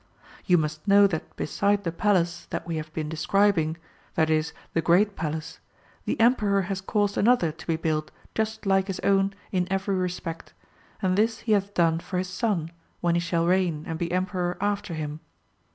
You must know that beside the Palace (that we have been describing), i.e. the Great Palace, the Emperor has caused another to be built just like his own in every respect, and this he hath done for his son when he shall reign and be Emperor after him.